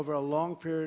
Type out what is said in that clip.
selama waktu yang panjang